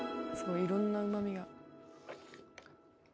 いろんなうま味が。